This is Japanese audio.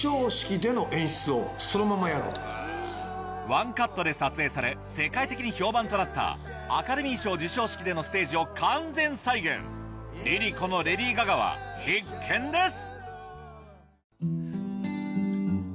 ワンカットで撮影され世界的に評判となったアカデミー賞授賞式でのステージを完全再現 ＬｉＬｉＣｏ のレディー・ガガは必見です